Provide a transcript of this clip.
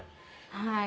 はい。